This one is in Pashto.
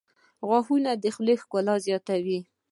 • غاښونه د خولې ښکلا زیاتوي.